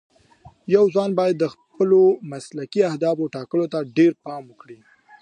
یو ځوان باید د خپلو مسلکي اهدافو ټاکلو ته ډېر پام وکړي.